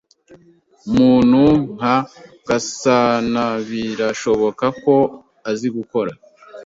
Umuntu nka Gasanabirashoboka ko azi koga.